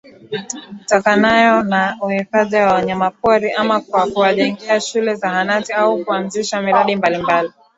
itokanayo na uhifadhi wa wanyamapori ama kwa kuwajengea shule zahanati au kuanzisha miradi mbalimbali